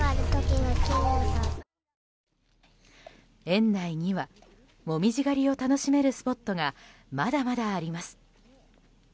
園内には紅葉狩りを楽しめるスポットがまだまだあります。